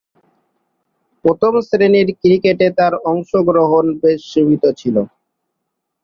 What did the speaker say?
প্রথম-শ্রেণীর ক্রিকেটে তার অংশগ্রহণ বেশ সীমিত ছিল।